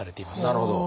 なるほど。